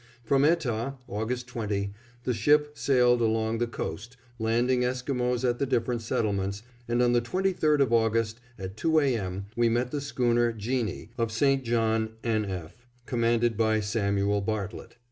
From Etah, August 20, the ship sailed along the coast, landing Esquimos at the different settlements, and on the 23rd of August at two A. M., we met the Schooner Jeanie, of St. John, N. F., commanded by Samuel Bartlett.